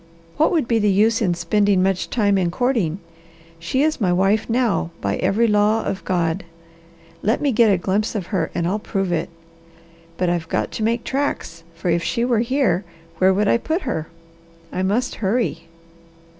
What would be the use in spending much time in courting? She is my wife now, by every law of God. Let me get a glimpse of her, and I'll prove it. But I've got to make tracks, for if she were here, where would I put her? I must hurry!"